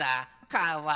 かわいい。